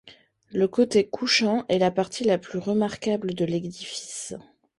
Le côté couchant est la partie la plus remarquable de l'édifice.